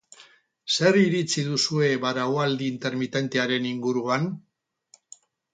Zer iritzi duzue baraualdi intermitentearen inguruan?